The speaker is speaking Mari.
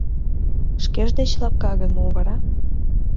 Шкеж деч лапка гын мо вара?